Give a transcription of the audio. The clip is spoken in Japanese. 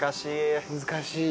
難しい。